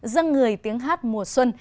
dân người tiếng hát mùa xuân